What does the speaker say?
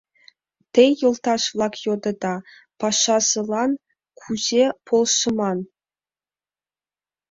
Те, йолташ-влак, йодыда: пашазылан кузе полшыман.